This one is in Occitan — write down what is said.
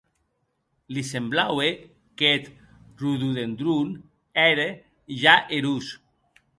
Li semblaue qu’eth rododendron ère ja erós.